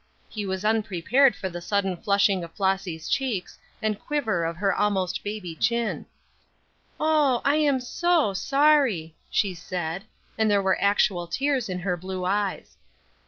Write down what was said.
He was unprepared for the sudden flushing of Flossy's cheeks, and quiver of her almost baby chin. "Oh, I am so sorry!" she said, and there were actual tears in her blue eyes.